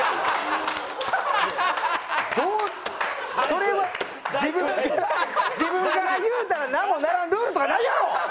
それは自分から自分から言うたらなんもならんルールとかないやろ！